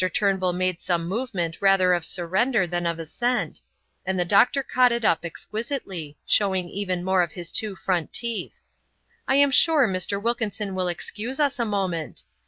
Turnbull made some movement rather of surrender than assent, and the doctor caught it up exquisitely, showing even more of his two front teeth. "I am sure Mr. Wilkinson will excuse us a moment."